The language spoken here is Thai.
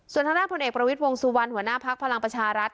ส่วนทางด้านผลเอกประวิจวงศ์สุวรรณหัวหน้าพักภรรยาประชารัฐ